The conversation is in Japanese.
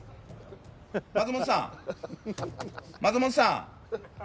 松本さん松本さん